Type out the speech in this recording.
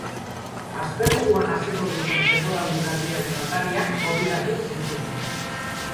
Asteburuan hasiko duten denboraldi berriaren atarian gonbidatu dituzte.